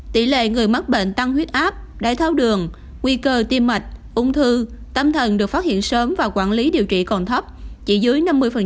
tỷ lệ người mắc bệnh tăng huyết áp đái tháo đường nguy cơ tim mạch ung thư tâm thần được phát hiện sớm và quản lý điều trị còn thấp chỉ dưới năm mươi